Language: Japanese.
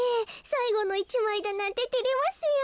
さいごの１まいだなんててれますよ。